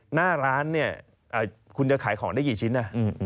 หน้าร้านเนี่ยคุณจะขายของได้กี่ชิ้น